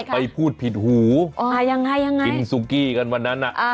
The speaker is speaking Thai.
ไปพูดผิดหูกินซุกี้กันวันนั้น